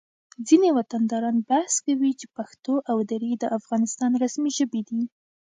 ځینې وطنداران بحث کوي چې پښتو او دري د افغانستان رسمي ژبې دي